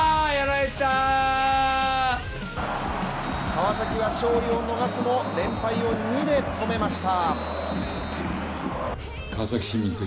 川崎は勝利を逃すも連敗を２で止めました。